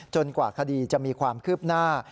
กว่าคดีจะมีความคืบหน้า